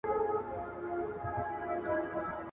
• اوبه چي پر يوه ځاى ودرېږي بيا ورستېږي.